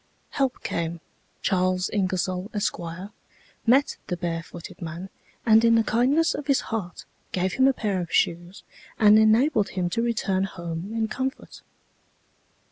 Help came; Charles Ingersoll, Esq., met the barefooted man, and in the kindness of his heart, gave him a pair of shoes and enabled him to return home in comfort."